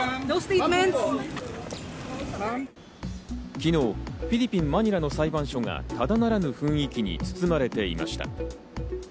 昨日、フィリピン・マニラの裁判所が、ただならぬ雰囲気に包まれていました。